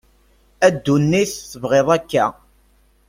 A ddunit tebɣiḍ akka.